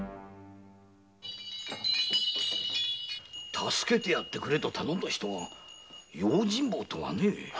助けてやってくれと頼んだ人が用心棒とはね。